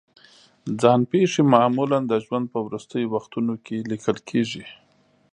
ځان پېښې معمولا د ژوند په وروستیو وختونو کې لیکل کېږي.